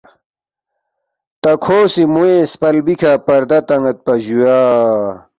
تا کھو سی موے سپلبی کھہ پردہ تان٘یدپا جُویا